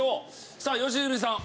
さあ良純さん。